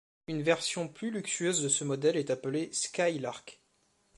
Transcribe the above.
Une version plus luxueuse de ce modèle est appelée Skylark.